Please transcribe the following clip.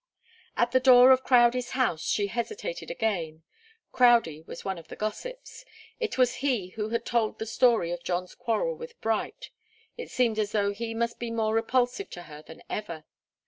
At the door of Crowdie's house, she hesitated again. Crowdie was one of the gossips. It was he who had told the story of John's quarrel with Bright. It seemed as though he must be more repulsive to her than ever.